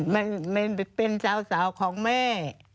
ไม่เป็นสาวของแม่